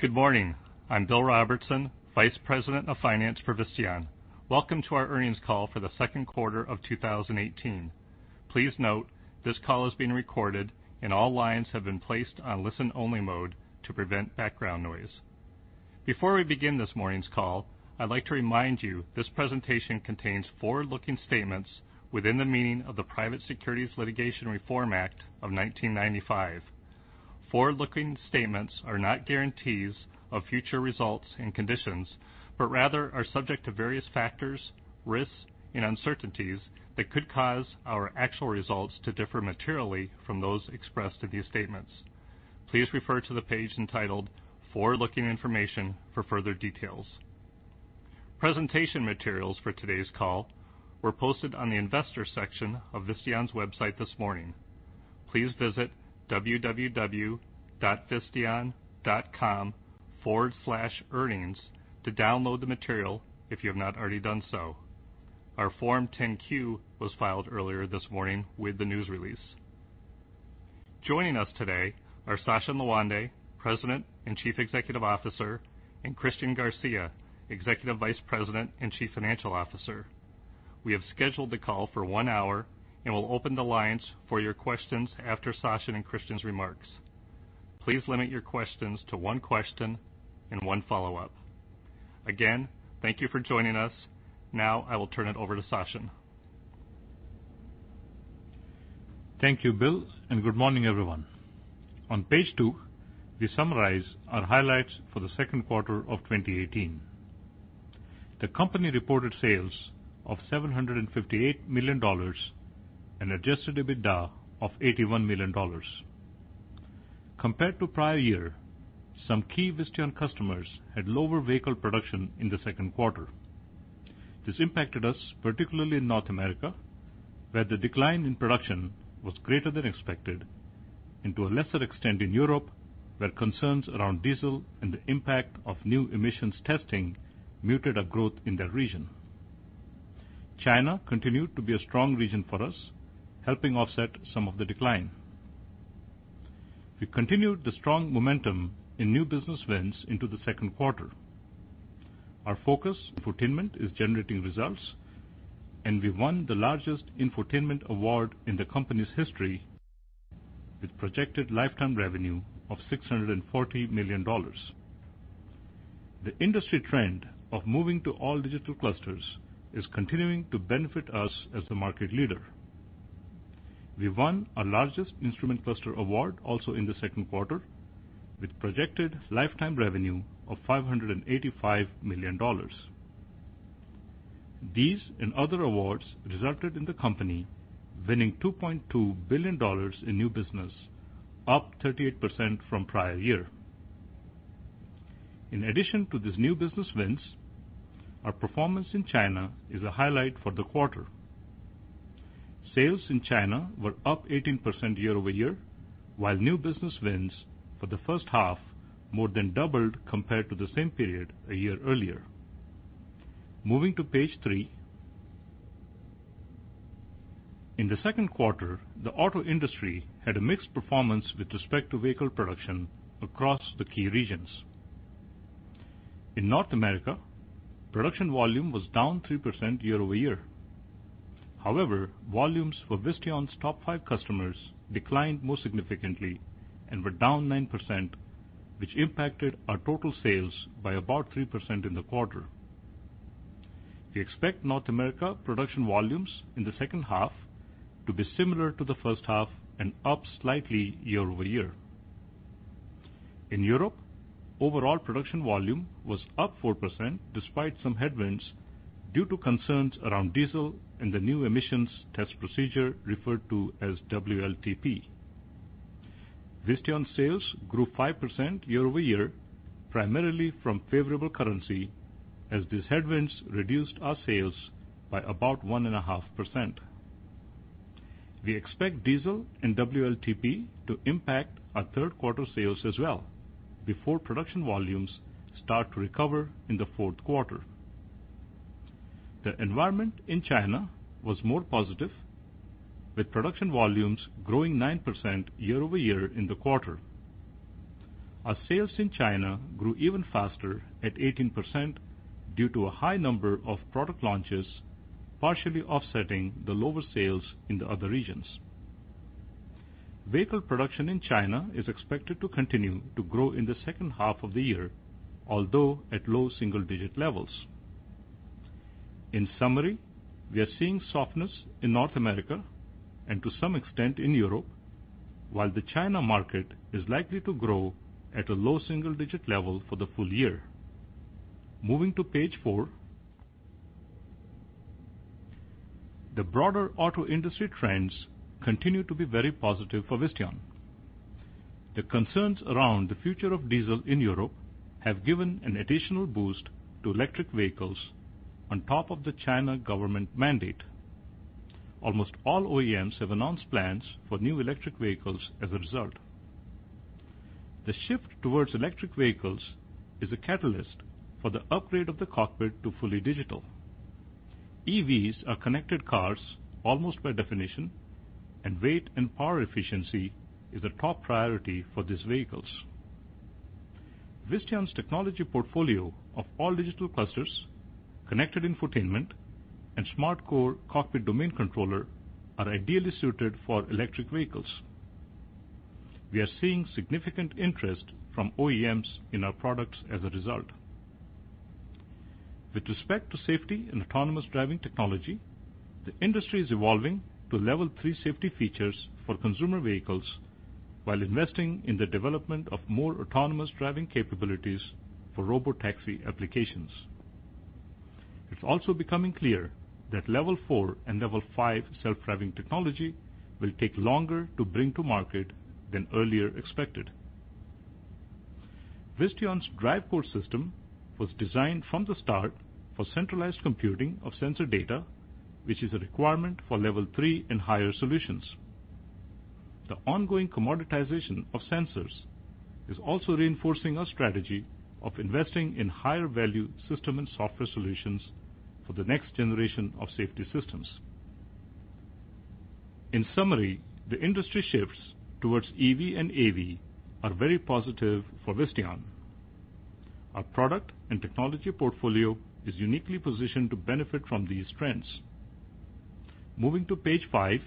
Good morning. I'm William Robertson, Vice President of Finance for Visteon. Welcome to our earnings call for the Q2 of 2018. Please note, this call is being recorded and all lines have been placed on listen-only mode to prevent background noise. Before we begin this morning's call, I'd like to remind you this presentation contains forward-looking statements within the meaning of the Private Securities Litigation Reform Act of 1995. Forward-looking statements are not guarantees of future results and conditions, but rather are subject to various factors, risks, and uncertainties that could cause our actual results to differ materially from those expressed in these statements. Please refer to the page entitled Forward-Looking Information for further details. Presentation materials for today's call were posted on the investor section of Visteon's website this morning. Please visit www.visteon.com/earnings to download the material if you have not already done so. Our Form 10-Q was filed earlier this morning with the news release. Joining us today are Sachin Lawande, President and Chief Executive Officer, Christian Garcia, Executive Vice President and Chief Financial Officer. We have scheduled the call for one hour and will open the lines for your questions after Sachin and Christian's remarks. Please limit your questions to one question and one follow-up. Again, thank you for joining us. I will turn it over to Sachin. Thank you, Bill, good morning, everyone. On page two, we summarize our highlights for the Q2 of 2018. The company reported sales of $758 million and adjusted EBITDA of $81 million. Compared to prior year, some key Visteon customers had lower vehicle production in the Q2. This impacted us, particularly in North America, where the decline in production was greater than expected, and to a lesser extent in Europe, where concerns around diesel and the impact of new emissions testing muted our growth in that region. China continued to be a strong region for us, helping offset some of the decline. We continued the strong momentum in new business wins into the Q2. Our focus, infotainment, is generating results. We won the largest infotainment award in the company's history, with projected lifetime revenue of $640 million. The industry trend of moving to all digital clusters is continuing to benefit us as the market leader. We won our largest instrument cluster award also in the Q2, with projected lifetime revenue of $585 million. These and other awards resulted in the company winning $2.2 billion in new business, up 38% from prior year. In addition to these new business wins, our performance in China is a highlight for the quarter. Sales in China were up 18% year-over-year, while new business wins for the first half more than doubled compared to the same period a year earlier. Moving to page three. In the Q2, the auto industry had a mixed performance with respect to vehicle production across the key regions. In North America, production volume was down 3% year-over-year. However, volumes for Visteon's top five customers declined more significantly and were down 9%, which impacted our total sales by about 3% in the quarter. We expect North America production volumes in the second half to be similar to the first half and up slightly year-over-year. In Europe, overall production volume was up 4%, despite some headwinds due to concerns around diesel and the new emissions test procedure referred to as WLTP. Visteon sales grew 5% year-over-year, primarily from favorable currency as these headwinds reduced our sales by about 1.5%. We expect diesel and WLTP to impact our third quarter sales as well before production volumes start to recover in the fourth quarter. The environment in China was more positive, with production volumes growing 9% year-over-year in the quarter. Our sales in China grew even faster at 18% due to a high number of product launches, partially offsetting the lower sales in the other regions. Vehicle production in China is expected to continue to grow in the second half of the year, although at low double single-digit levels. In summary, we are seeing softness in North America and to some extent in Europe, while the China market is likely to grow at a low single-digit level for the full year. Moving to page five. The broader auto industry trends continue to be very positive for Visteon. The concerns around the future of diesel in Europe have given an additional boost to electric vehicles on top of the China government mandate. Almost all OEMs have announced plans for new electric vehicles as a result. The shift towards electric vehicles is a catalyst for the upgrade of the cockpit to fully digital. EVs are connected cars almost by definition, and weight and power efficiency is a top priority for these vehicles. Visteon's technology portfolio of all digital clusters, connected infotainment, and SmartCore cockpit domain controller are ideally suited for electric vehicles. We are seeing significant interest from OEMs in our products as a result. With respect to safety and autonomous driving technology, the industry is evolving to level 3 safety features for consumer vehicles while investing in the development of more autonomous driving capabilities for robotaxi applications. It's also becoming clear that level 4 and level 5 self-driving technology will take longer to bring to market than earlier expected. Visteon's DriveCore system was designed from the start for centralized computing of sensor data, which is a requirement for level 3 and higher solutions. The ongoing commoditization of sensors is also reinforcing our strategy of investing in higher value system and software solutions for the next generation of safety systems. In summary, the industry shifts towards EV and AV are very positive for Visteon. Our product and technology portfolio is uniquely positioned to benefit from these trends. Moving to page five.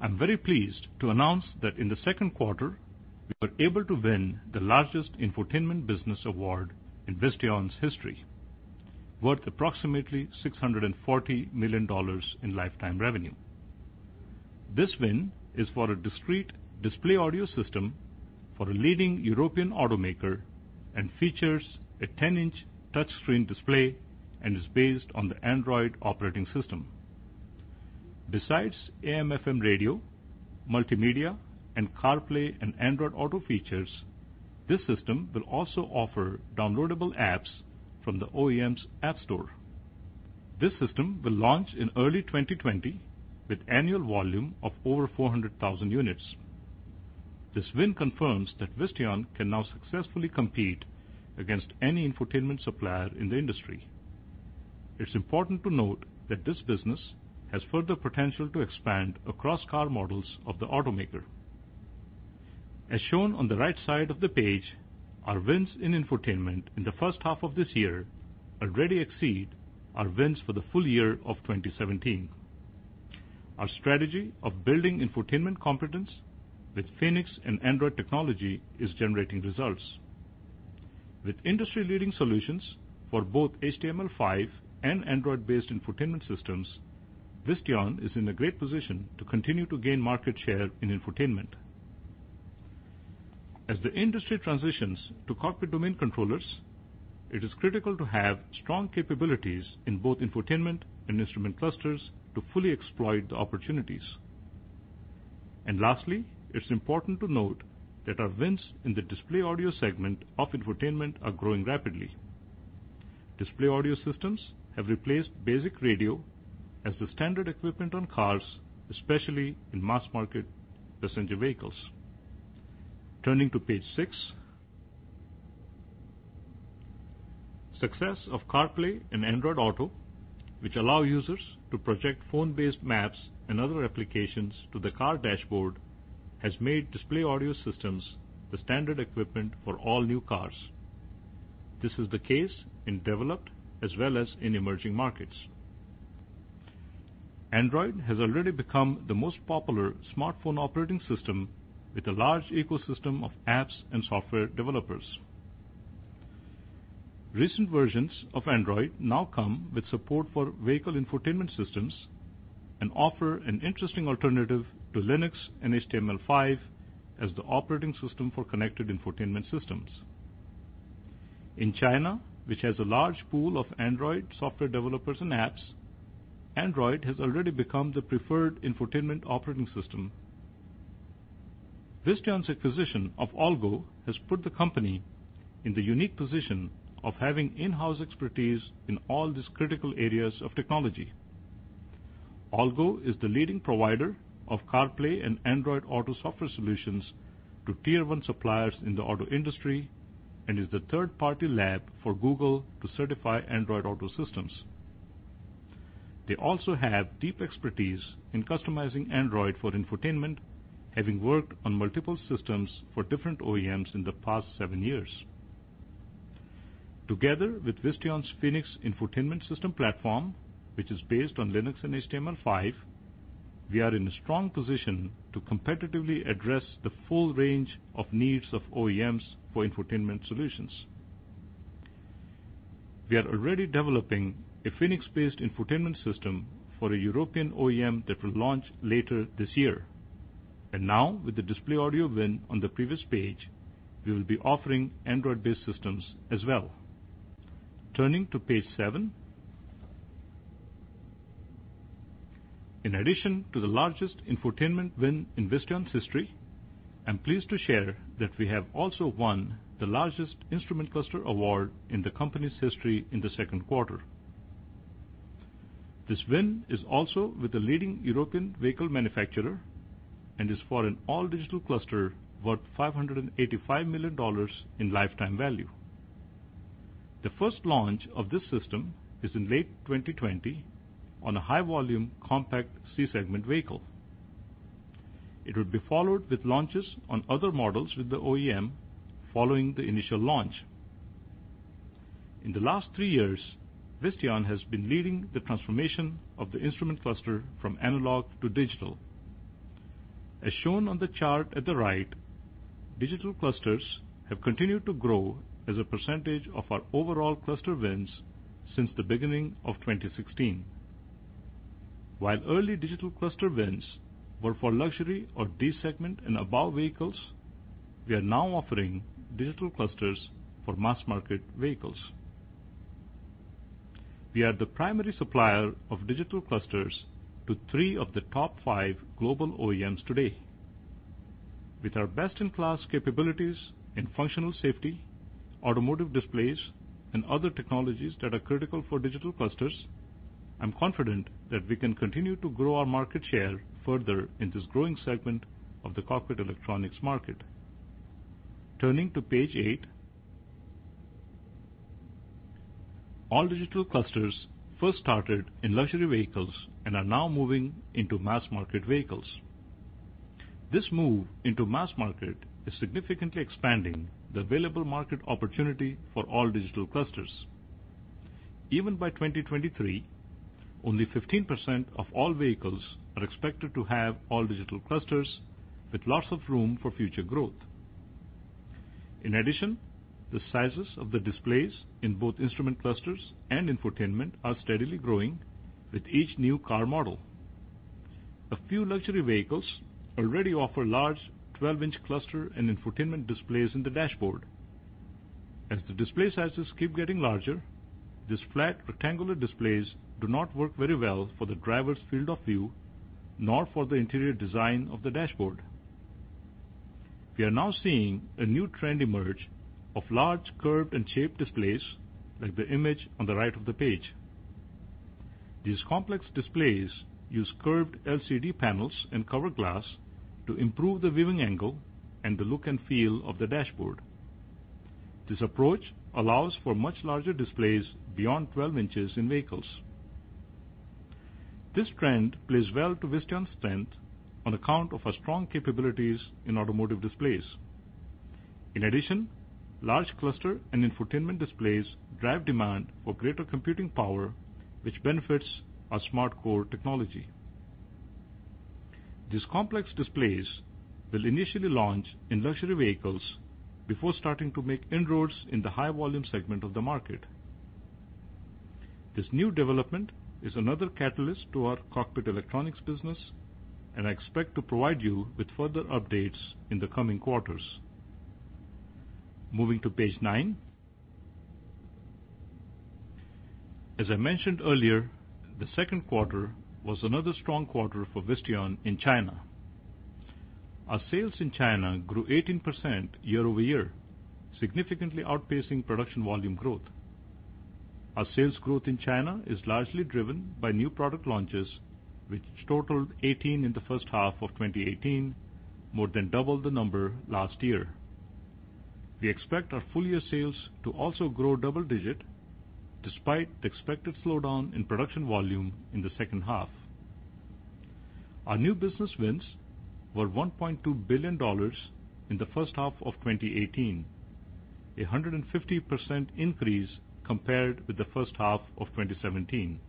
I'm very pleased to announce that in the second quarter, we were able to win the largest infotainment business award in Visteon's history, worth approximately $640 million in lifetime revenue. This win is for a discrete display audio system for a leading European automaker and features a 10-inch touchscreen display and is based on the Android operating system. Besides AM/FM radio, multimedia, and CarPlay and Android Auto features, this system will also offer downloadable apps from the OEM's app store. This system will launch in early 2020 with annual volume of over 400,000 units. This win confirms that Visteon can now successfully compete against any infotainment supplier in the industry. It's important to note that this business has further potential to expand across car models of the automaker. As shown on the right side of the page, our wins in infotainment in the first half of this year already exceed our wins for the full year of 2017. Our strategy of building infotainment competence with Phoenix and Android technology is generating results. With industry-leading solutions for both HTML5 and Android-based infotainment systems, Visteon is in a great position to continue to gain market share in infotainment. As the industry transitions to cockpit domain controllers, it is critical to have strong capabilities in both infotainment and instrument clusters to fully exploit the opportunities. Lastly, it's important to note that our wins in the display audio segment of infotainment are growing rapidly. Display audio systems have replaced basic radio as the standard equipment on cars, especially in mass-market passenger vehicles. Turning to page seven. Success of CarPlay and Android Auto, which allow users to project phone-based maps and other applications to the car dashboard, has made display audio systems the standard equipment for all new cars. This is the case in developed as well as in emerging markets. Android has already become the most popular smartphone operating system with a large ecosystem of apps and software developers. Recent versions of Android now come with support for vehicle infotainment systems and offer an interesting alternative to Linux and HTML5 as the operating system for connected infotainment systems. In China, which has a large pool of Android software developers and apps, Android has already become the preferred infotainment operating system. Visteon's acquisition of AllGo has put the company in the unique position of having in-house expertise in all these critical areas of technology. AllGo is the leading provider of CarPlay and Android Auto software solutions to tier 1 suppliers in the auto industry and is the third-party lab for Google to certify Android Auto systems. They also have deep expertise in customizing Android for infotainment, having worked on multiple systems for different OEMs in the past seven years. Together with Visteon's Phoenix infotainment system platform, which is based on Linux and HTML5, we are in a strong position to competitively address the full range of needs of OEMs for infotainment solutions. We are already developing a Phoenix-based infotainment system for a European OEM that will launch later this year. Now with the display audio win on the previous page, we will be offering Android-based systems as well. Turning to page seven. In addition to the largest infotainment win in Visteon's history, I'm pleased to share that we have also won the largest instrument cluster award in the company's history in the second quarter. This win is also with a leading European vehicle manufacturer and is for an all-digital cluster worth $585 million in lifetime value. The first launch of this system is in late 2020 on a high-volume compact C segment vehicle. It will be followed with launches on other models with the OEM following the initial launch. In the last three years, Visteon has been leading the transformation of the instrument cluster from analog to digital. As shown on the chart at the right, digital clusters have continued to grow as a percentage of our overall cluster wins since the beginning of 2016. While early digital cluster wins were for luxury or D segment and above vehicles, we are now offering digital clusters for mass-market vehicles. We are the primary supplier of digital clusters to 3 of the top 5 global OEMs today. With our best-in-class capabilities in functional safety, automotive displays, and other technologies that are critical for digital clusters, I'm confident that we can continue to grow our market share further in this growing segment of the cockpit electronics market. Turning to page 8. All-digital clusters first started in luxury vehicles and are now moving into mass-market vehicles. This move into mass market is significantly expanding the available market opportunity for all-digital clusters. Even by 2023, only 15% of all vehicles are expected to have all-digital clusters, with lots of room for future growth. In addition, the sizes of the displays in both instrument clusters and infotainment are steadily growing with each new car model. A few luxury vehicles already offer large 12-inch cluster and infotainment displays in the dashboard. As the display sizes keep getting larger, these flat rectangular displays do not work very well for the driver's field of view, nor for the interior design of the dashboard. We are now seeing a new trend emerge of large curved and shaped displays, like the image on the right of the page. These complex displays use curved LCD panels and cover glass to improve the viewing angle and the look and feel of the dashboard. This approach allows for much larger displays beyond 12 inches in vehicles. This trend plays well to Visteon's strength on account of our strong capabilities in automotive displays. In addition, large cluster and infotainment displays drive demand for greater computing power, which benefits our SmartCore technology. These complex displays will initially launch in luxury vehicles before starting to make inroads in the high volume segment of the market. This new development is another catalyst to our cockpit electronics business, and I expect to provide you with further updates in the coming quarters. Moving to page 9. As I mentioned earlier, the second quarter was another strong quarter for Visteon in China. Our sales in China grew 18% year-over-year, significantly outpacing production volume growth. Our sales growth in China is largely driven by new product launches, which totaled 18 in the first half of 2018, more than double the number last year. We expect our full year sales to also grow double digit despite the expected slowdown in production volume in the second half. Our new business wins were $1.2 billion in the first half of 2018, 150% increase compared with the first half of 2017.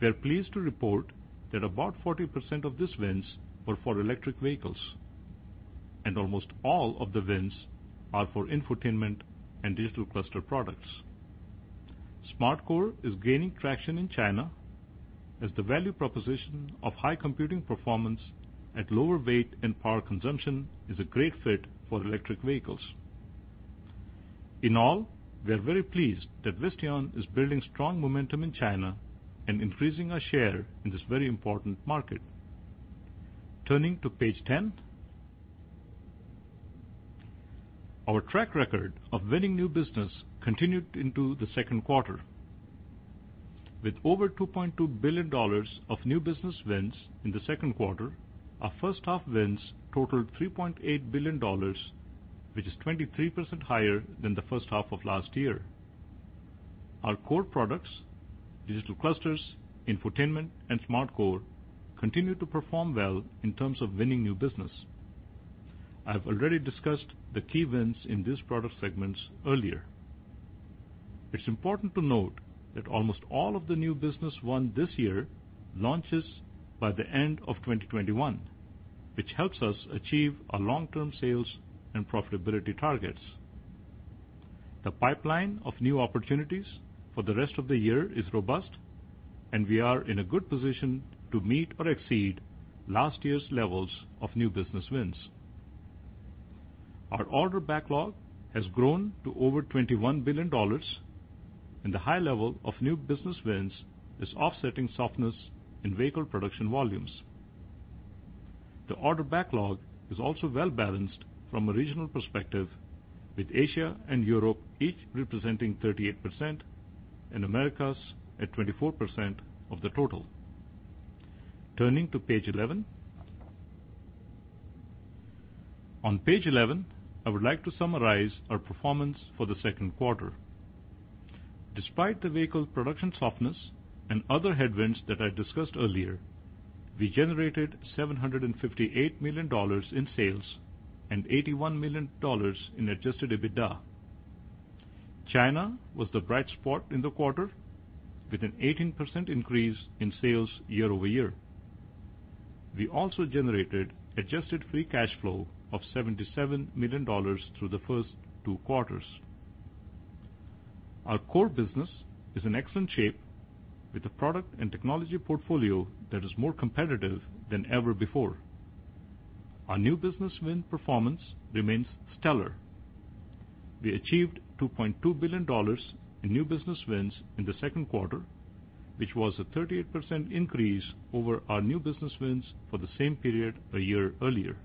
We are pleased to report that about 40% of these wins were for electric vehicles. Almost all of the wins are for infotainment and digital cluster products. SmartCore is gaining traction in China as the value proposition of high computing performance at lower weight and power consumption is a great fit for electric vehicles. In all, we are very pleased that Visteon is building strong momentum in China and increasing our share in this very important market. Turning to page 10. Our track record of winning new business continued into the second quarter. With over $2.2 billion of new business wins in the second quarter, our first half wins totaled $3.8 billion, which is 23% higher than the first half of last year. Our core products, digital clusters, infotainment, and SmartCore, continue to perform well in terms of winning new business. I have already discussed the key wins in these product segments earlier. It's important to note that almost all of the new business won this year launches by the end of 2021, which helps us achieve our long-term sales and profitability targets. The pipeline of new opportunities for the rest of the year is robust, and we are in a good position to meet or exceed last year's levels of new business wins. Our order backlog has grown to over $21 billion. The high level of new business wins is offsetting softness in vehicle production volumes. The order backlog is also well-balanced from a regional perspective, with Asia and Europe each representing 38%, and Americas at 24% of the total. Turning to page 11. On page 11, I would like to summarize our performance for the second quarter. Despite the vehicle production softness and other headwinds that I discussed earlier, we generated $758 million in sales and $81 million in adjusted EBITDA. China was the bright spot in the quarter, with an 18% increase in sales year-over-year. We also generated adjusted free cash flow of $77 million through the first two quarters. Our core business is in excellent shape with a product and technology portfolio that is more competitive than ever before. Our new business win performance remains stellar. We achieved $2.2 billion in new business wins in the second quarter, which was a 38% increase over our new business wins for the same period a year earlier.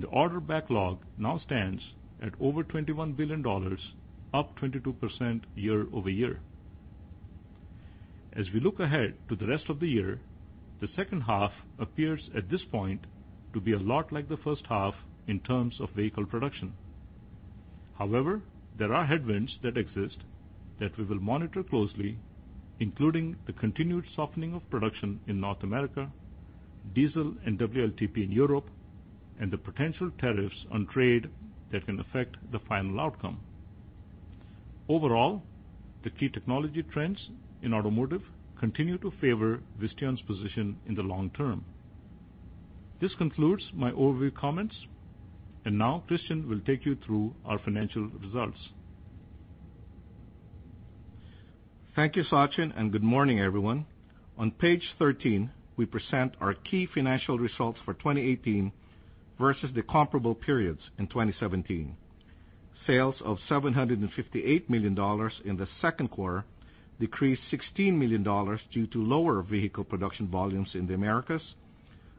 The order backlog now stands at over $21 billion, up 22% year-over-year. As we look ahead to the rest of the year, the second half appears, at this point, to be a lot like the first half in terms of vehicle production. However, there are headwinds that exist that we will monitor closely, including the continued softening of production in North America, diesel and WLTP in Europe, and the potential tariffs on trade that can affect the final outcome. Overall, the key technology trends in automotive continue to favor Visteon's position in the long term. This concludes my overview comments, and now Christian will take you through our financial results. Thank you, Sachin, and good morning, everyone. On page 13, we present our key financial results for 2018 versus the comparable periods in 2017. Sales of $758 million in the second quarter decreased $16 million due to lower vehicle production volumes in the Americas,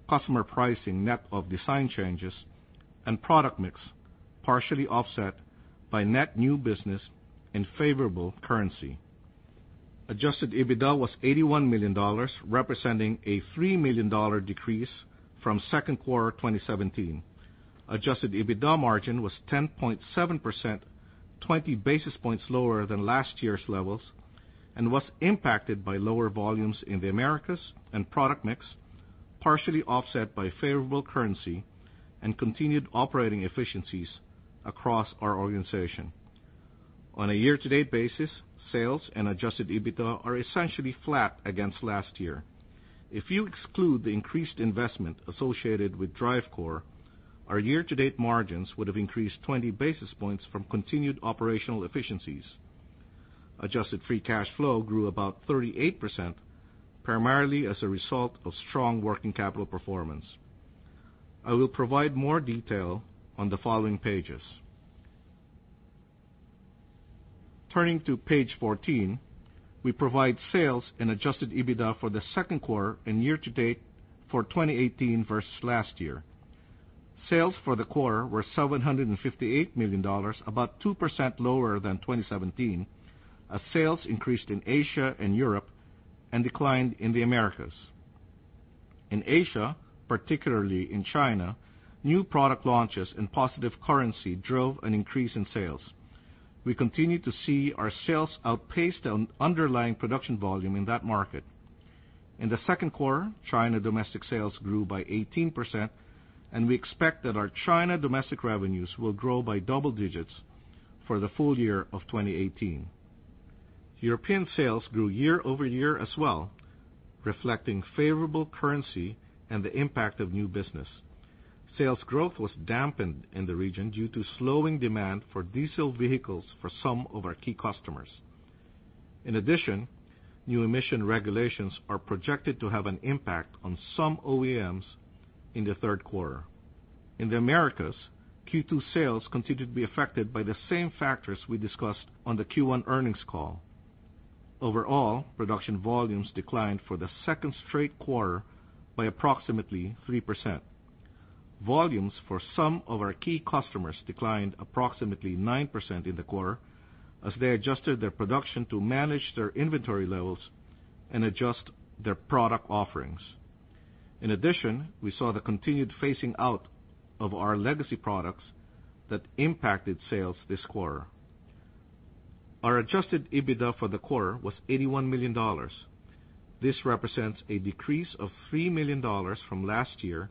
customer pricing net of design changes, and product mix, partially offset by net new business and favorable currency. Adjusted EBITDA was $81 million, representing a $3 million decrease from second quarter 2017. Adjusted EBITDA margin was 10.7%, 20 basis points lower than last year's levels, and was impacted by lower volumes in the Americas and product mix, partially offset by favorable currency and continued operating efficiencies across our organization. On a year-to-date basis, sales and adjusted EBITDA are essentially flat against last year. If you exclude the increased investment associated with DriveCore, our year-to-date margins would have increased 20 basis points from continued operational efficiencies. Adjusted free cash flow grew about 38%, primarily as a result of strong working capital performance. I will provide more detail on the following pages. Turning to page 14, we provide sales and adjusted EBITDA for the second quarter and year-to-date for 2018 versus last year. Sales for the quarter were $758 million, about 2% lower than 2017, as sales increased in Asia and Europe and declined in the Americas. In Asia, particularly in China, new product launches and positive currency drove an increase in sales. We continue to see our sales outpace the underlying production volume in that market. In the second quarter, China domestic sales grew by 18%, and we expect that our China domestic revenues will grow by double digits for the full year of 2018. European sales grew year-over-year as well, reflecting favorable currency and the impact of new business. Sales growth was dampened in the region due to slowing demand for diesel vehicles for some of our key customers. In addition, new emission regulations are projected to have an impact on some OEMs in the third quarter. In the Americas, Q2 sales continued to be affected by the same factors we discussed on the Q1 earnings call. Overall, production volumes declined for the second straight quarter by approximately 3%. Volumes for some of our key customers declined approximately 9% in the quarter as they adjusted their production to manage their inventory levels and adjust their product offerings. In addition, we saw the continued phasing out of our legacy products that impacted sales this quarter. Our adjusted EBITDA for the quarter was $81 million. This represents a decrease of $3 million from last year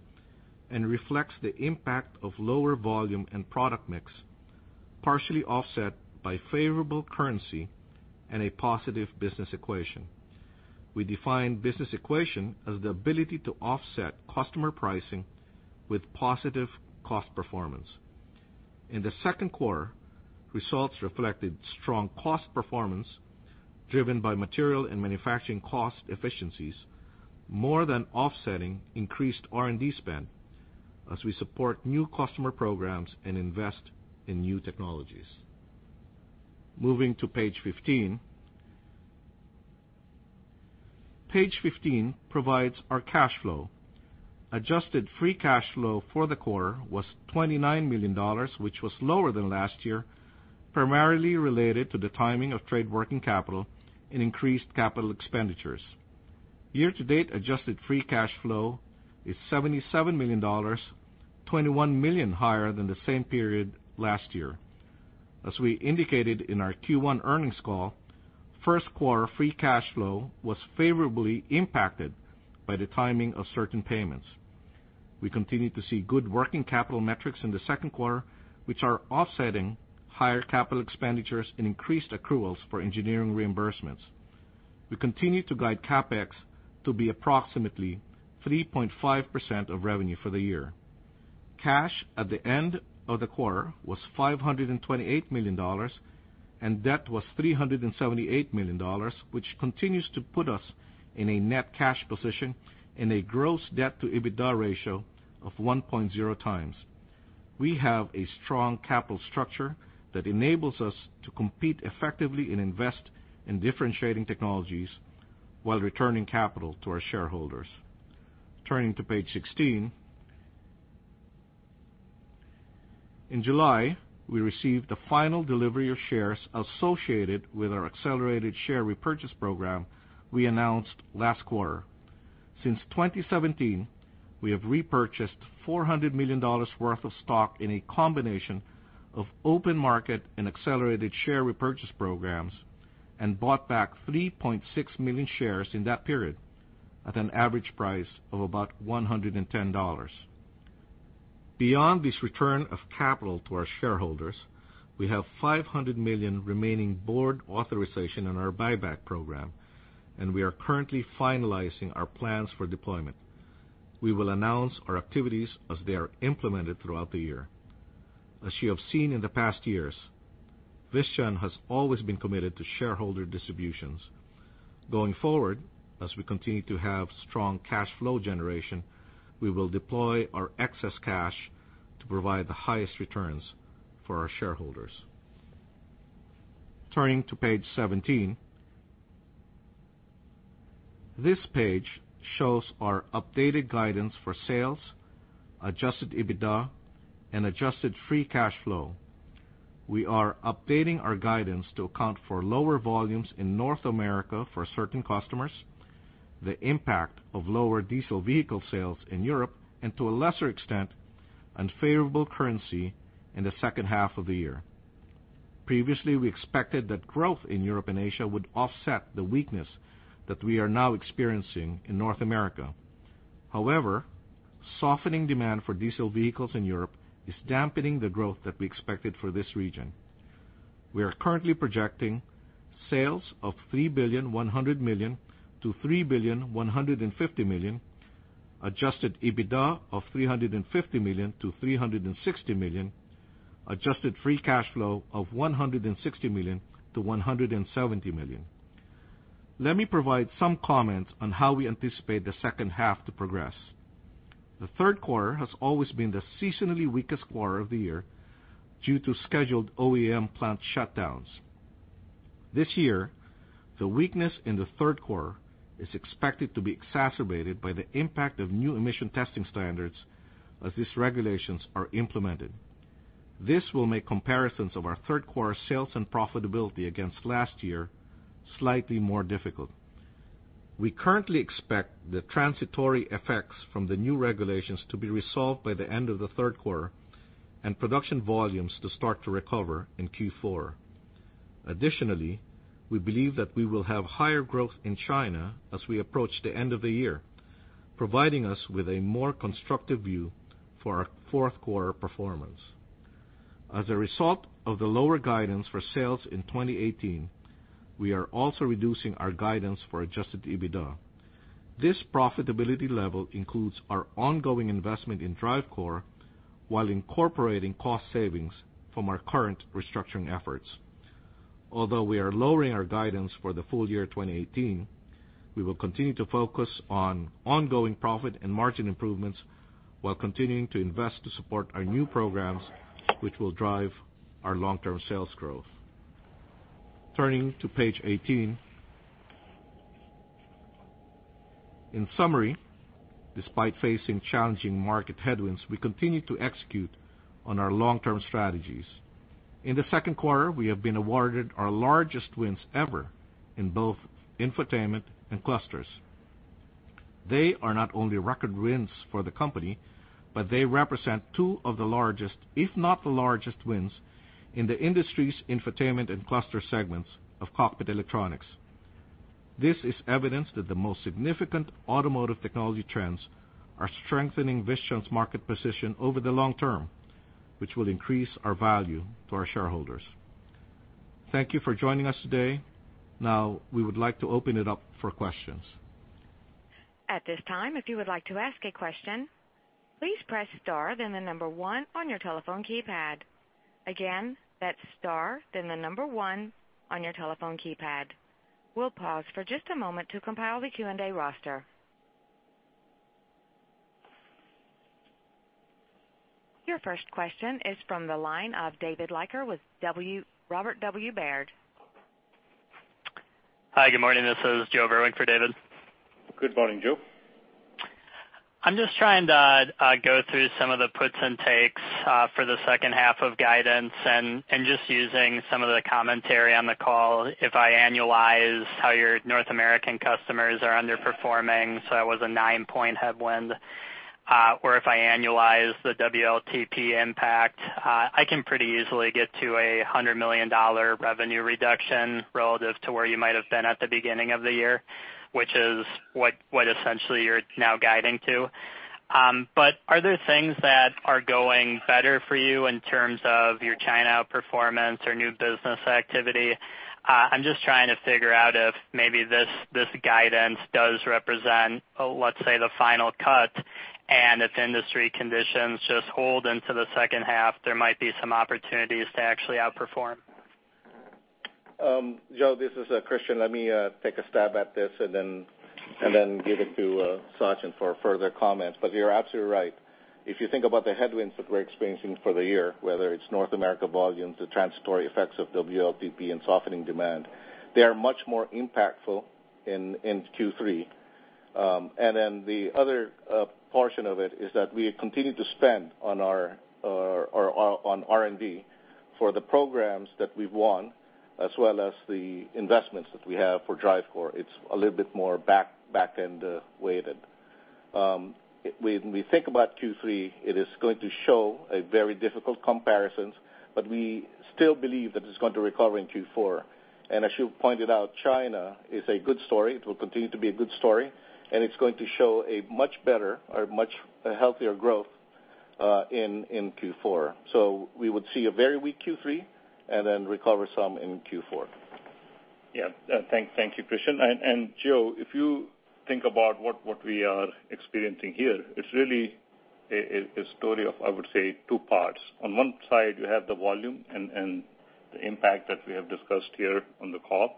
and reflects the impact of lower volume and product mix, partially offset by favorable currency and a positive business equation. We define business equation as the ability to offset customer pricing with positive cost performance. In the second quarter, results reflected strong cost performance driven by material and manufacturing cost efficiencies, more than offsetting increased R&D spend as we support new customer programs and invest in new technologies. Moving to page 15 provides our cash flow. Adjusted free cash flow for the quarter was $29 million, which was lower than last year, primarily related to the timing of trade working capital and increased capital expenditures. Year-to-date adjusted free cash flow is $77 million, $21 million higher than the same period last year. As we indicated in our Q1 earnings call, first quarter free cash flow was favorably impacted by the timing of certain payments. We continue to see good working capital metrics in the second quarter, which are offsetting higher capital expenditures and increased accruals for engineering reimbursements. We continue to guide CapEx to be approximately 3.5% of revenue for the year. Cash at the end of the quarter was $528 million, and debt was $378 million, which continues to put us in a net cash position and a gross debt to EBITDA ratio of 1.0 times. We have a strong capital structure that enables us to compete effectively and invest in differentiating technologies while returning capital to our shareholders. Turning to page 16. In July, we received the final delivery of shares associated with our accelerated share repurchase program we announced last quarter. Since 2017, we have repurchased $400 million worth of stock in a combination of open market and accelerated share repurchase programs and bought back 3.6 million shares in that period at an average price of about $110. Beyond this return of capital to our shareholders, we have $500 million remaining board authorization on our buyback program, and we are currently finalizing our plans for deployment. We will announce our activities as they are implemented throughout the year. As you have seen in the past years, Visteon has always been committed to shareholder distributions. Going forward, as we continue to have strong cash flow generation, we will deploy our excess cash to provide the highest returns for our shareholders. Turning to page 17. This page shows our updated guidance for sales, adjusted EBITDA, and adjusted free cash flow. We are updating our guidance to account for lower volumes in North America for certain customers, the impact of lower diesel vehicle sales in Europe, and to a lesser extent, unfavorable currency in the second half of the year. Previously, we expected that growth in Europe and Asia would offset the weakness that we are now experiencing in North America. However, softening demand for diesel vehicles in Europe is dampening the growth that we expected for this region. We are currently projecting sales of $3.1 billion-$3.15 billion, adjusted EBITDA of $350 million-$360 million, adjusted free cash flow of $160 million-$170 million. Let me provide some comments on how we anticipate the second half to progress. The third quarter has always been the seasonally weakest quarter of the year due to scheduled OEM plant shutdowns. This year, the weakness in the third quarter is expected to be exacerbated by the impact of new emission testing standards as these regulations are implemented. This will make comparisons of our third quarter sales and profitability against last year slightly more difficult. We currently expect the transitory effects from the new regulations to be resolved by the end of the third quarter and production volumes to start to recover in Q4. Additionally, we believe that we will have higher growth in China as we approach the end of the year, providing us with a more constructive view for our fourth quarter performance. As a result of the lower guidance for sales in 2018, we are also reducing our guidance for adjusted EBITDA. This profitability level includes our ongoing investment in DriveCore while incorporating cost savings from our current restructuring efforts. Although we are lowering our guidance for the full year 2018, we will continue to focus on ongoing profit and margin improvements while continuing to invest to support our new programs, which will drive our long-term sales growth. Turning to page 18. In summary, despite facing challenging market headwinds, we continue to execute on our long-term strategies. In the second quarter, we have been awarded our largest wins ever in both infotainment and clusters. They are not only record wins for the company, but they represent two of the largest, if not the largest, wins in the industry's infotainment and cluster segments of cockpit electronics. This is evidence that the most significant automotive technology trends are strengthening Visteon's market position over the long term, which will increase our value to our shareholders. Thank you for joining us today. We would like to open it up for questions. At this time, if you would like to ask a question, please press star then the number 1 on your telephone keypad. Again, that's star then the number 1 on your telephone keypad. We'll pause for just a moment to compile the Q&A roster. Your first question is from the line of David Leiker with Robert W. Baird. Hi, good morning. This is Joe Irving for David. Good morning, Joe. I'm just trying to go through some of the puts and takes for the second half of guidance and just using some of the commentary on the call. If I annualize how your North American customers are underperforming, so it was a nine-point headwind. If I annualize the WLTP impact, I can pretty easily get to a $100 million revenue reduction relative to where you might have been at the beginning of the year, which is what essentially you're now guiding to. Are there things that are going better for you in terms of your China performance or new business activity? I'm just trying to figure out if maybe this guidance does represent, let's say, the final cut, and if industry conditions just hold into the second half, there might be some opportunities to actually outperform. Joe, this is Christian. Let me take a stab at this and then give it to Sachin for further comments. You're absolutely right. If you think about the headwinds that we're experiencing for the year, whether it's North America volumes, the transitory effects of WLTP and softening demand, they are much more impactful in Q3. The other portion of it is that we continue to spend on R&D for the programs that we've won, as well as the investments that we have for DriveCore. It's a little bit more back-end weighted. When we think about Q3, it is going to show very difficult comparisons, we still believe that it's going to recover in Q4. As you pointed out, China is a good story. It will continue to be a good story, it's going to show a much better or much healthier growth in Q4. We would see a very weak Q3 and then recover some in Q4. Thank you, Christian. Joe, if you think about what we are experiencing here, it's really a story of, I would say, two parts. On one side, you have the volume and the impact that we have discussed here on the call.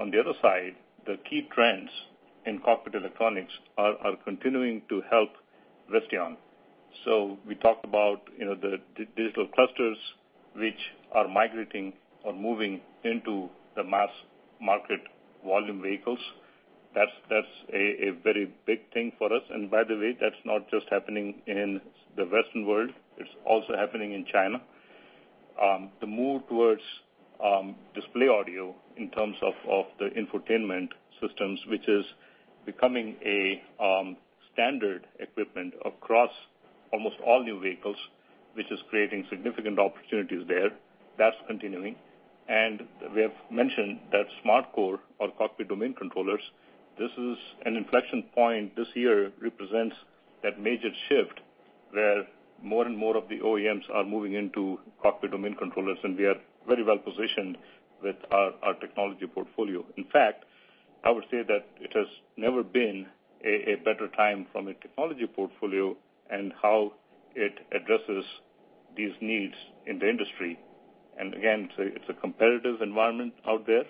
On the other side, the key trends in cockpit electronics are continuing to help Visteon. We talked about the digital clusters which are migrating or moving into the mass market volume vehicles. That's a very big thing for us. By the way, that's not just happening in the Western world, it's also happening in China. The move towards display audio in terms of the infotainment systems, which is becoming a standard equipment across almost all new vehicles, which is creating significant opportunities there. That's continuing. We have mentioned that SmartCore or cockpit domain controllers, this is an inflection point. This year represents that major shift where more and more of the OEMs are moving into cockpit domain controllers, we are very well-positioned with our technology portfolio. In fact, I would say that it has never been a better time from a technology portfolio and how it addresses these needs in the industry. Again, it's a competitive environment out there,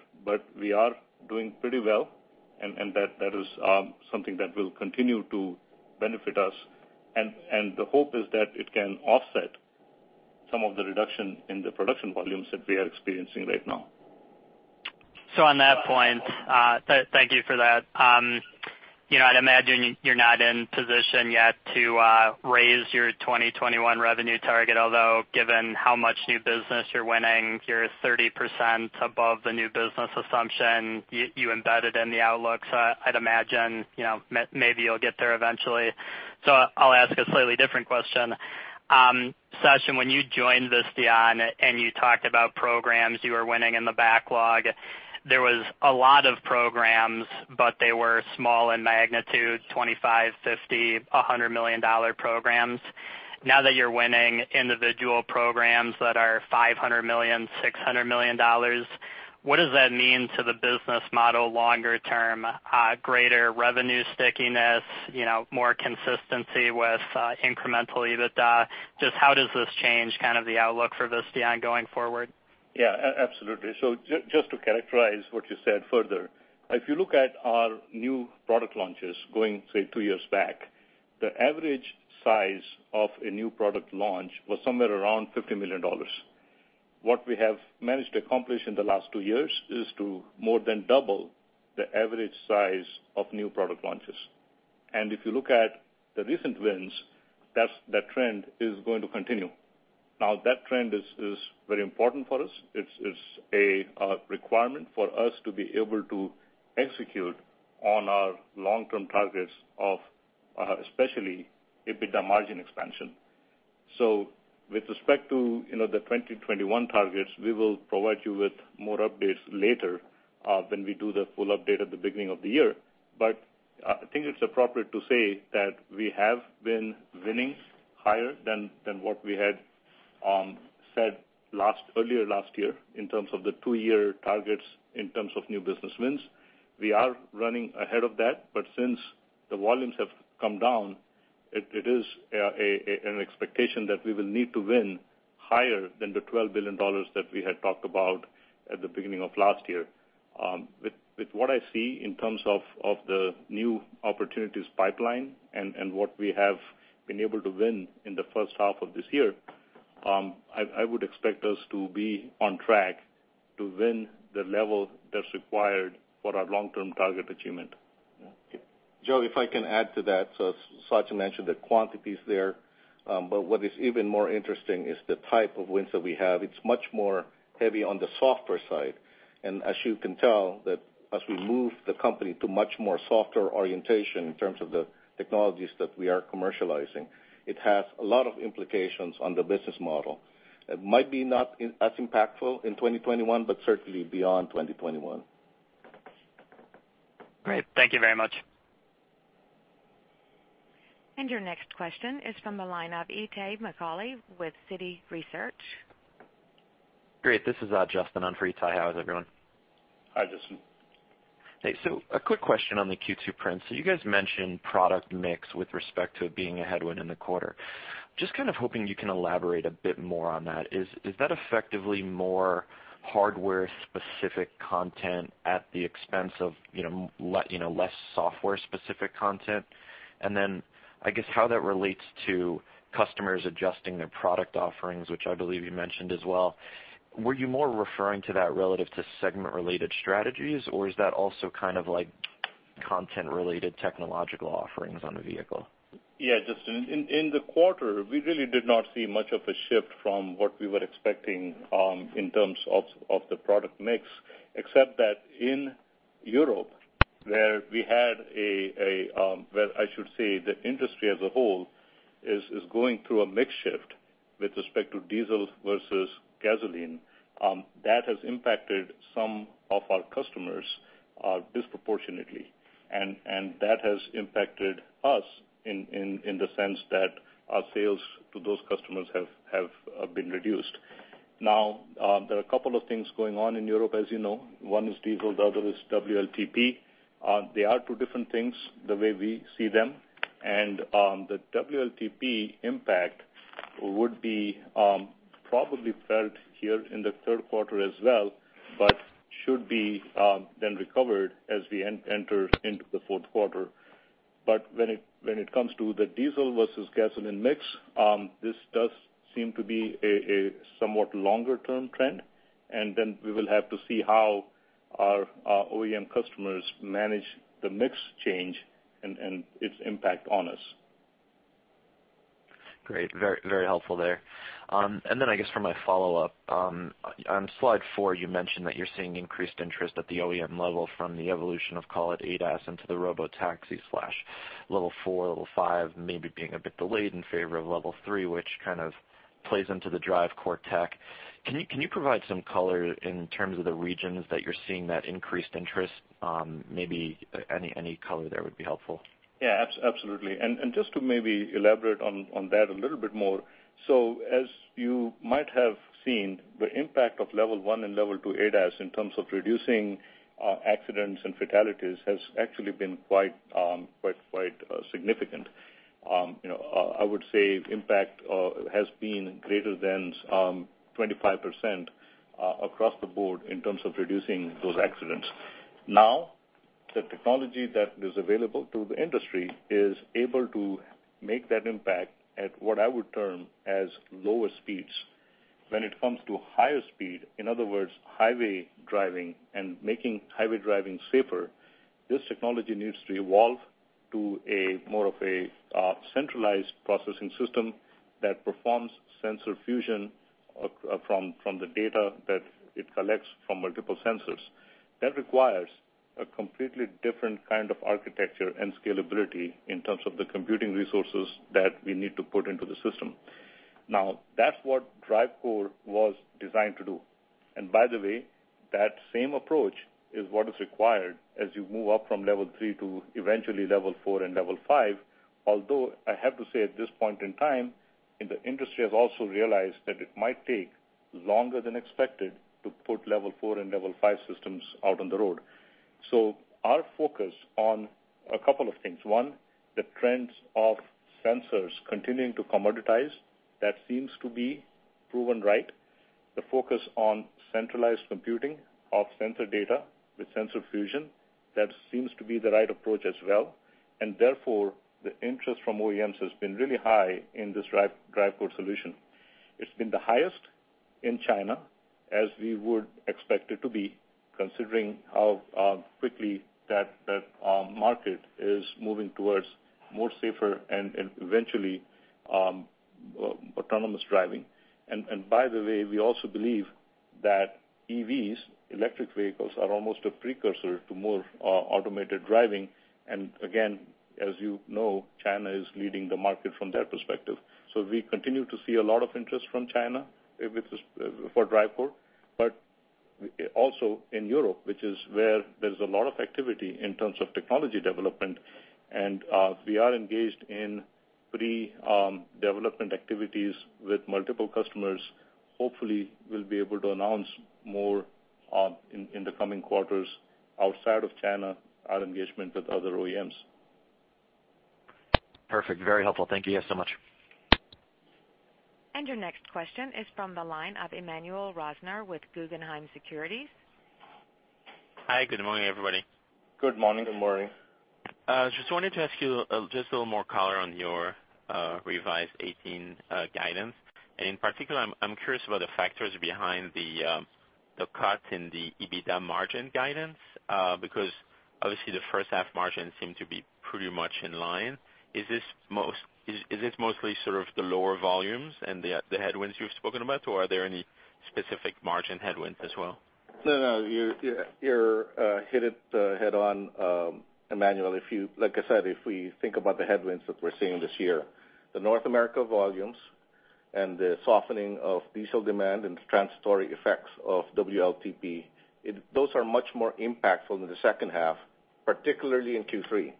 we are doing pretty well, that is something that will continue to benefit us. The hope is that it can offset some of the reduction in the production volumes that we are experiencing right now. On that point, thank you for that. I'd imagine you're not in position yet to raise your 2021 revenue target, although given how much new business you're winning, you're 30% above the new business assumption you embedded in the outlook. I'd imagine, maybe you'll get there eventually. I'll ask a slightly different question. Sachin, when you joined Visteon and you talked about programs you were winning in the backlog, there was a lot of programs, but they were small in magnitude, $25, $50, $100 million programs. Now that you're winning individual programs that are $500 million, $600 million, what does that mean to the business model longer term? Greater revenue stickiness, more consistency with incremental EBITDA? Just how does this change kind of the outlook for Visteon going forward? Yeah, absolutely. Just to characterize what you said further, if you look at our new product launches going, say, two years back, the average size of a new product launch was somewhere around $50 million. What we have managed to accomplish in the last two years is to more than double the average size of new product launches. If you look at the recent wins, that trend is going to continue. That trend is very important for us. It's a requirement for us to be able to execute on our long-term targets of especially EBITDA margin expansion. With respect to the 2021 targets, we will provide you with more updates later when we do the full update at the beginning of the year. I think it's appropriate to say that we have been winning higher than what we had said earlier last year in terms of the two-year targets, in terms of new business wins. We are running ahead of that, but since the volumes have come down, it is an expectation that we will need to win higher than the $12 billion that we had talked about at the beginning of last year. With what I see in terms of the new opportunities pipeline and what we have been able to win in the first half of this year, I would expect us to be on track to win the level that's required for our long-term target achievement. Joe, if I can add to that. Sachin mentioned the quantities there, but what is even more interesting is the type of wins that we have. It's much more heavy on the software side. As you can tell, that as we move the company to much more software orientation in terms of the technologies that we are commercializing, it has a lot of implications on the business model. It might be not as impactful in 2021, but certainly beyond 2021. Great. Thank you very much. Your next question is from the line of Itay Michaeli with Citi Research. Great. This is Justin on for Itay. How is everyone? Hi, Justin. Hey, a quick question on the Q2 prints. You guys mentioned product mix with respect to it being a headwind in the quarter. Just kind of hoping you can elaborate a bit more on that. Is that effectively more hardware-specific content at the expense of less software-specific content? I guess how that relates to customers adjusting their product offerings, which I believe you mentioned as well, were you more referring to that relative to segment-related strategies, or is that also kind of like content-related technological offerings on a vehicle? Yeah, Justin. In the quarter, we really did not see much of a shift from what we were expecting in terms of the product mix, except that in Europe, where we had, well, I should say, the industry as a whole is going through a mix shift with respect to diesel versus gasoline. That has impacted some of our customers disproportionately, and that has impacted us in the sense that our sales to those customers have been reduced. There are a couple of things going on in Europe, as you know. One is diesel, the other is WLTP. They are two different things, the way we see them. The WLTP impact would be probably felt here in the third quarter as well, but should be then recovered as we enter into the fourth quarter. When it comes to the diesel versus gasoline mix, this does seem to be a somewhat longer-term trend, we will have to see how our OEM customers manage the mix change and its impact on us. Great. Very helpful there. I guess for my follow-up, on slide four, you mentioned that you're seeing increased interest at the OEM level from the evolution of call it ADAS into the robotaxi/level 4, level 5, maybe being a bit delayed in favor of level 3, which kind of plays into the DriveCore tech. Can you provide some color in terms of the regions that you're seeing that increased interest? Maybe any color there would be helpful. Yeah, absolutely. Just to maybe elaborate on that a little bit more. As you might have seen, the impact of level 1 and level 2 ADAS in terms of reducing accidents and fatalities has actually been quite significant. I would say impact has been greater than 25% across the board in terms of reducing those accidents. The technology that is available to the industry is able to make that impact at what I would term as lower speeds. When it comes to higher speed, in other words, highway driving and making highway driving safer, this technology needs to evolve to a more of a centralized processing system that performs sensor fusion from the data that it collects from multiple sensors. That requires a completely different kind of architecture and scalability in terms of the computing resources that we need to put into the system. That's what DriveCore was designed to do. By the way, that same approach is what is required as you move up from level 3 to eventually level 4 and level 5. Although I have to say at this point in time, the industry has also realized that it might take longer than expected to put level 4 and level 5 systems out on the road. Our focus on a couple of things. One, the trends of sensors continuing to commoditize, that seems to be proven right. The focus on centralized computing of sensor data with sensor fusion, that seems to be the right approach as well. Therefore, the interest from OEMs has been really high in this DriveCore solution. It's been the highest in China, as we would expect it to be, considering how quickly that market is moving towards more safer and eventually autonomous driving. By the way, we also believe that EVs, electric vehicles, are almost a precursor to more automated driving, and again, as you know, China is leading the market from their perspective. We continue to see a lot of interest from China for DriveCore, but also in Europe, which is where there's a lot of activity in terms of technology development. We are engaged in pre-development activities with multiple customers. Hopefully, we'll be able to announce more in the coming quarters outside of China, our engagement with other OEMs. Perfect. Very helpful. Thank you guys so much. Your next question is from the line of Emmanuel Rosner with Guggenheim Securities. Hi, good morning, everybody. Good morning. Good morning. Just wanted to ask you a little more color on your revised 2018 guidance. In particular, I'm curious about the factors behind the cut in the EBITDA margin guidance, because obviously the first half margins seem to be pretty much in line. Is this mostly sort of the lower volumes and the headwinds you've spoken about, or are there any specific margin headwinds as well? No, no. You hit it head on, Emmanuel. Like I said, if we think about the headwinds that we're seeing this year, the North America volumes and the softening of diesel demand and the transitory effects of WLTP, those are much more impactful in the second half, particularly in Q3.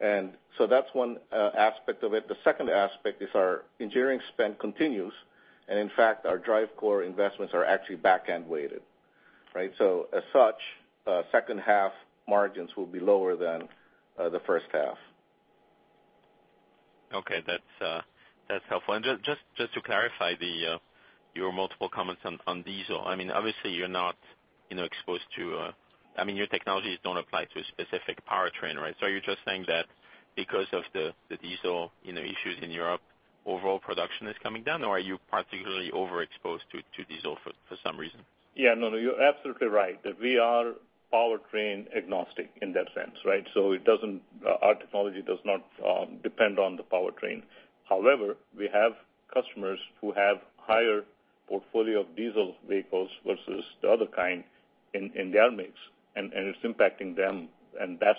That's one aspect of it. The second aspect is our engineering spend continues, and in fact, our DriveCore investments are actually back-end weighted, right? As such, second half margins will be lower than the first half. Okay. That's helpful. Just to clarify your multiple comments on diesel, obviously your technologies don't apply to a specific powertrain, right? Are you just saying that because of the diesel issues in Europe, overall production is coming down or are you particularly overexposed to diesel for some reason? Yeah, no, you're absolutely right. That we are powertrain agnostic in that sense, right? Our technology does not depend on the powertrain. However, we have customers who have higher portfolio of diesel vehicles versus the other kind in their mix, and it's impacting them, and that's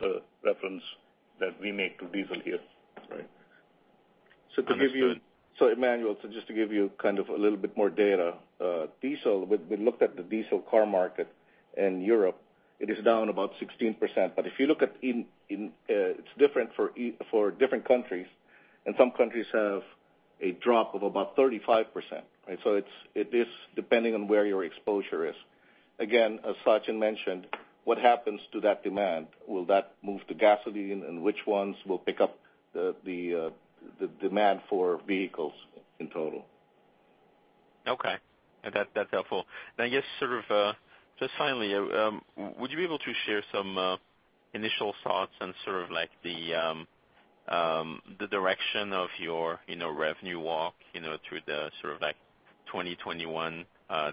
the reference that we make to diesel here. Right. Understood. Emmanuel, just to give you kind of a little bit more data. Diesel, we looked at the diesel car market in Europe, it is down about 16%. It's different for different countries, and some countries have a drop of about 35%, right? It is depending on where your exposure is. Again, as Sachin mentioned, what happens to that demand? Will that move to gasoline and which ones will pick up the demand for vehicles in total? That's helpful. Just finally, would you be able to share some initial thoughts and sort of like the direction of your revenue walk through the sort of like 2021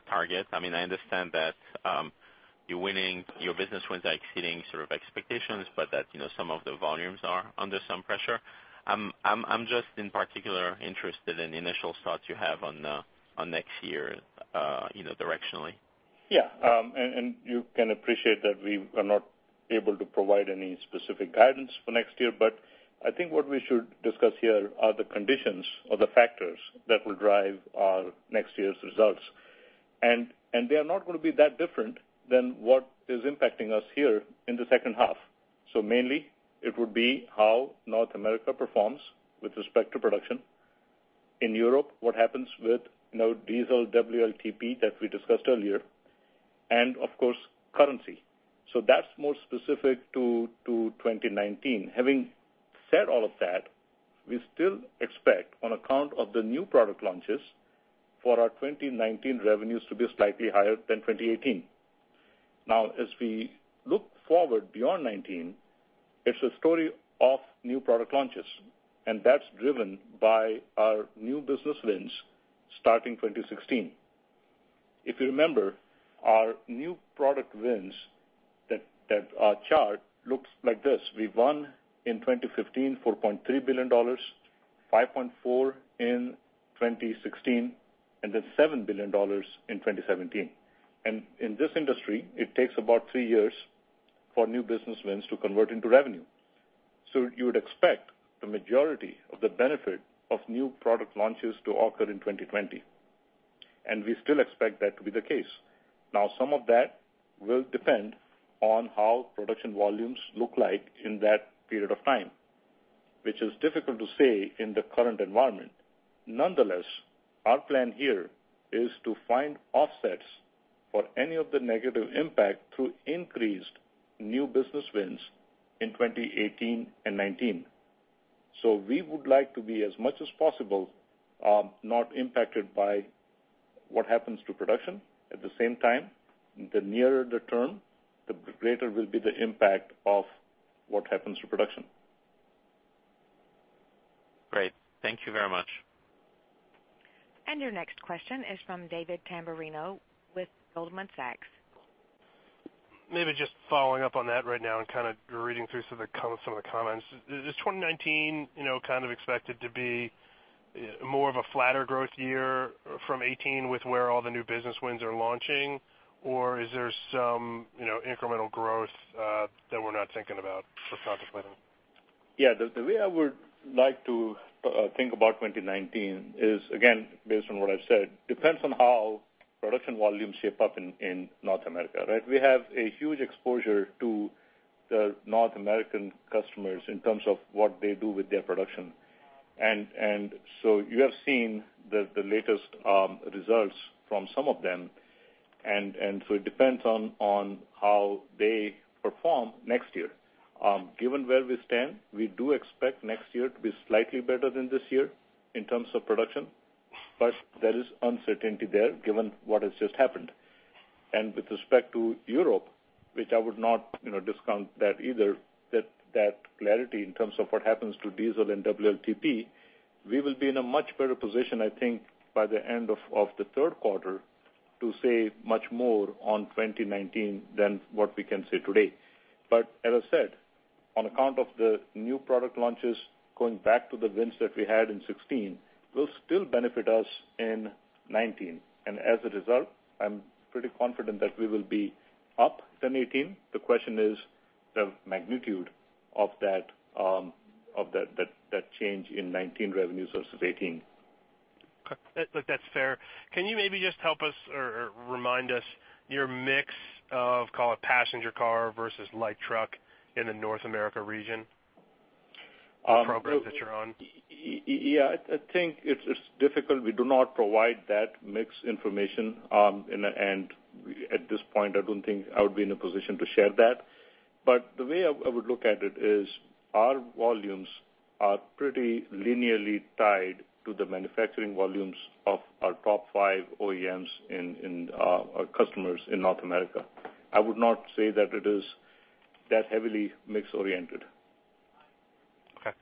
target? I understand that your business wins are exceeding sort of expectations, but that some of the volumes are under some pressure. I'm just in particular interested in the initial thoughts you have on next year directionally. You can appreciate that we are not able to provide any specific guidance for next year, but I think what we should discuss here are the conditions or the factors that will drive our next year's results. They're not gonna be that different than what is impacting us here in the second half. Mainly it would be how North America performs with respect to production. In Europe, what happens with diesel WLTP that we discussed earlier, and of course, currency. That's more specific to 2019. Having said all of that, we still expect on account of the new product launches for our 2019 revenues to be slightly higher than 2018. As we look forward beyond 2019, it's a story of new product launches, and that's driven by our new business wins starting 2016. If you remember our new product wins that our chart looks like this. We won in 2015, $4.3 billion, $5.4 billion in 2016, $7 billion in 2017. In this industry, it takes about three years for new business wins to convert into revenue. You would expect the majority of the benefit of new product launches to occur in 2020, and we still expect that to be the case. Some of that will depend on how production volumes look like in that period of time, which is difficult to say in the current environment. Nonetheless, our plan here is to find offsets for any of the negative impact through increased new business wins in 2018 and 2019. We would like to be as much as possible not impacted by what happens to production at the same time, the nearer the term, the greater will be the impact of what happens to production. Great. Thank you very much. Your next question is from David Tamberrino with Goldman Sachs. Maybe just following up on that right now and kind of reading through some of the comments. Is 2019 kind of expected to be more of a flatter growth year from '18 with where all the new business wins are launching? Or is there some incremental growth that we're not thinking about or contemplating? Yeah. The way I would like to think about 2019 is, again, based on what I've said, depends on how production volumes shape up in North America, right? We have a huge exposure to the North American customers in terms of what they do with their production. So you have seen the latest results from some of them. So it depends on how they perform next year. Given where we stand, we do expect next year to be slightly better than this year in terms of production, but there is uncertainty there given what has just happened. With respect to Europe, which I would not discount that either, that clarity in terms of what happens to diesel and WLTP, we will be in a much better position, I think, by the end of the third quarter to say much more on 2019 than what we can say today. As I said, on account of the new product launches, going back to the wins that we had in '16, will still benefit us in '19. I'm pretty confident that we will be up than '18. The question is the magnitude of that change in '19 revenue versus '18. Okay. That's fair. Can you maybe just help us or remind us your mix of, call it passenger car versus light truck in the North America region, the progress that you're on? Yeah. I think it's difficult. We do not provide that mix information, and at this point, I don't think I would be in a position to share that. The way I would look at it is our volumes are pretty linearly tied to the manufacturing volumes of our top five OEMs in our customers in North America. I would not say that it is that heavily mix-oriented. Okay.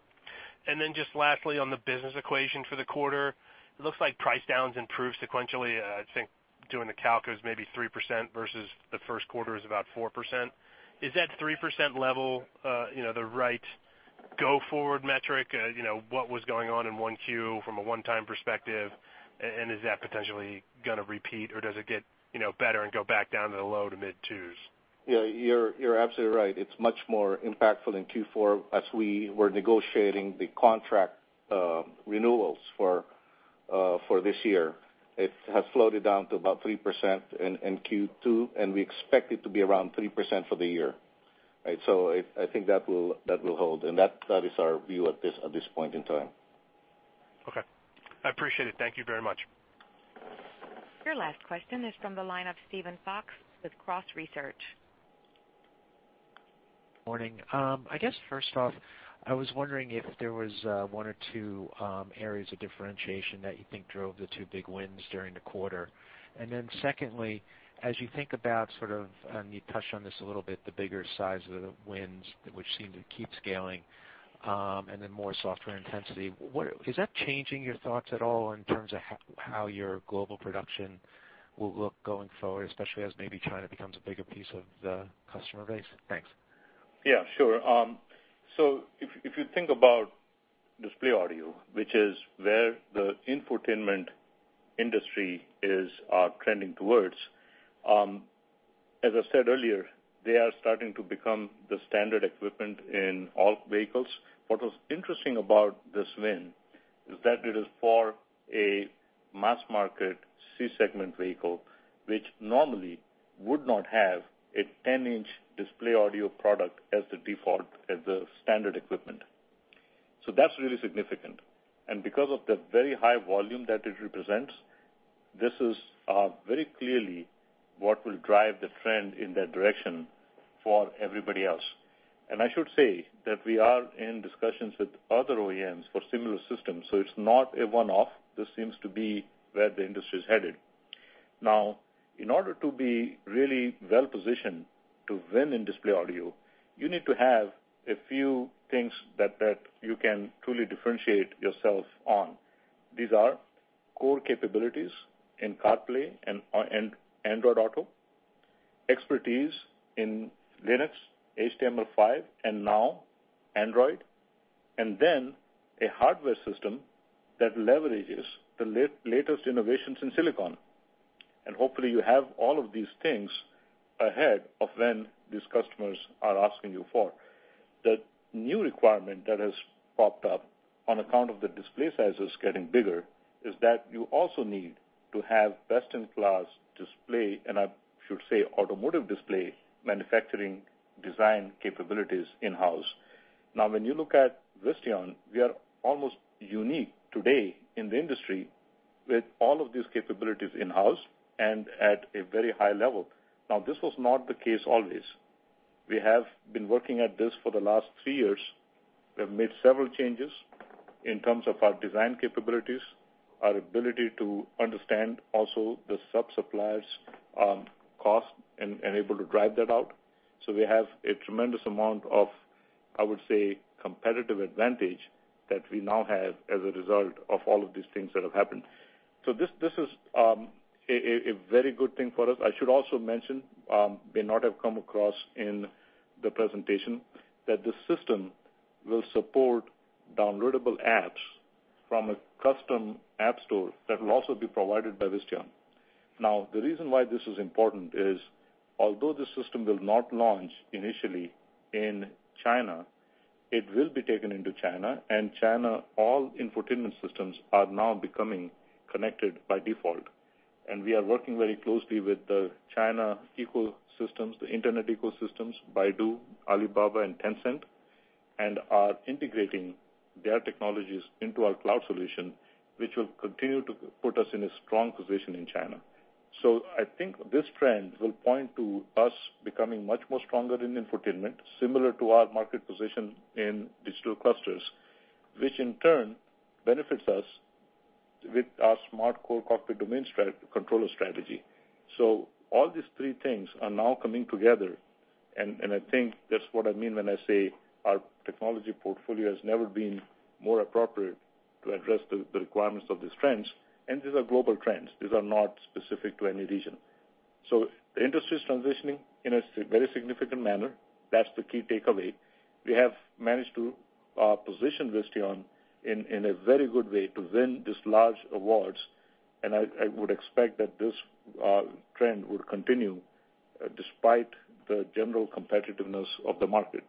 Just lastly, on the business equation for the quarter, it looks like price downs improved sequentially. I think doing the calc is maybe 3% versus the first quarter is about 4%. Is that 3% level the right go forward metric? What was going on in 1Q from a one-time perspective, and is that potentially gonna repeat, or does it get better and go back down to the low to mid twos? Yeah, you're absolutely right. It's much more impactful in Q4 as we were negotiating the contract renewals for this year. It has floated down to about 3% in Q2, and we expect it to be around 3% for the year. I think that will hold, and that is our view at this point in time. Okay. I appreciate it. Thank you very much. Your last question is from the line of Steven Fox with Cross Research. Morning. I guess first off, I was wondering if there was one or two areas of differentiation that you think drove the two big wins during the quarter. Secondly, as you think about sort of, and you touched on this a little bit, the bigger size of the wins, which seem to keep scaling, and then more software intensity, is that changing your thoughts at all in terms of how your global production will look going forward, especially as maybe China becomes a bigger piece of the customer base? Thanks. Yeah, sure. If you think about display audio, which is where the infotainment industry is trending towards, as I said earlier, they are starting to become the standard equipment in all vehicles. What was interesting about this win is that it is for a mass market C-segment vehicle, which normally would not have a 10-inch display audio product as the default, as the standard equipment. That's really significant. Because of the very high volume that it represents, this is very clearly what will drive the trend in that direction for everybody else. I should say that we are in discussions with other OEMs for similar systems, so it's not a one-off. This seems to be where the industry is headed. In order to be really well-positioned to win in display audio, you need to have a few things that you can truly differentiate yourself on. These are core capabilities in CarPlay and Android Auto, expertise in Linux, HTML5, and now Android, and then a hardware system that leverages the latest innovations in silicon. Hopefully you have all of these things ahead of when these customers are asking you for. The new requirement that has popped up on account of the display sizes getting bigger is that you also need to have best-in-class display, and I should say automotive display manufacturing design capabilities in-house. When you look at Visteon, we are almost unique today in the industry with all of these capabilities in-house and at a very high level. This was not the case always. We have been working at this for the last three years. We have made several changes in terms of our design capabilities, our ability to understand also the sub-suppliers' cost and able to drive that out. We have a tremendous amount of, I would say, competitive advantage that we now have as a result of all of these things that have happened. This is a very good thing for us. I should also mention, may not have come across in the presentation, that this system will support downloadable apps from a custom app store that will also be provided by Visteon. The reason why this is important is although this system will not launch initially in China, it will be taken into China, and China, all infotainment systems are now becoming connected by default. We are working very closely with the China ecosystems, the internet ecosystems, Baidu, Alibaba, and Tencent, and are integrating their technologies into our cloud solution, which will continue to put us in a strong position in China. I think this trend will point to us becoming much more stronger in infotainment, similar to our market position in digital clusters, which in turn benefits us with our SmartCore cockpit domain controller strategy. All these three things are now coming together, and I think that's what I mean when I say our technology portfolio has never been more appropriate to address the requirements of these trends, and these are global trends. These are not specific to any region. The industry is transitioning in a very significant manner. That's the key takeaway. We have managed to position Visteon in a very good way to win these large awards, and I would expect that this trend would continue despite the general competitiveness of the market.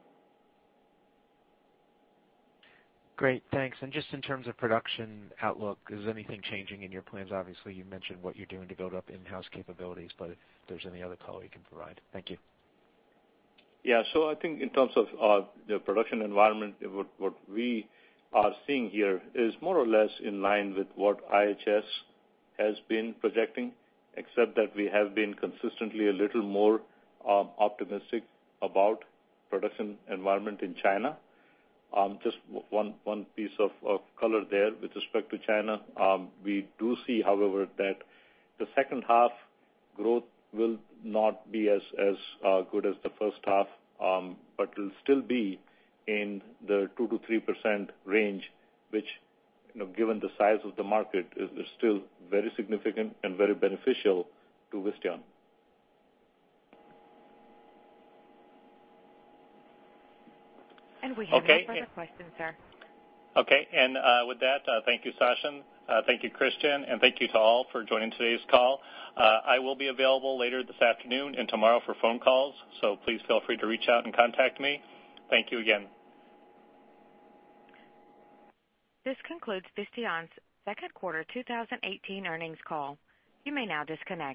Great, thanks. Just in terms of production outlook, is anything changing in your plans? Obviously, you mentioned what you're doing to build up in-house capabilities, but if there's any other color you can provide. Thank you. I think in terms of the production environment, what we are seeing here is more or less in line with what IHS has been projecting, except that we have been consistently a little more optimistic about production environment in China. Just one piece of color there with respect to China. We do see, however, that the second half growth will not be as good as the first half, but will still be in the 2%-3% range, which, given the size of the market, is still very significant and very beneficial to Visteon. We have no further questions, sir. Okay. With that, thank you, Sachin. Thank you, Christian, and thank you to all for joining today's call. I will be available later this afternoon and tomorrow for phone calls, so please feel free to reach out and contact me. Thank you again. This concludes Visteon's second quarter 2018 earnings call. You may now disconnect.